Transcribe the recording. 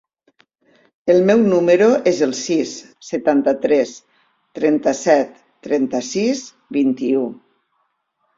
El meu número es el sis, setanta-tres, trenta-set, trenta-sis, vint-i-u.